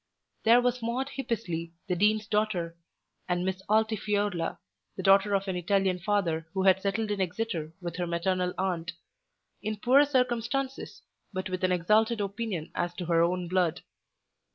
There was Maude Hippesley, the Dean's daughter, and Miss Altifiorla, the daughter of an Italian father who had settled in Exeter with her maternal aunt, in poor circumstances, but with an exalted opinion as to her own blood.